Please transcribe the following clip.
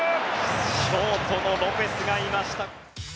ショートのロペスがいました。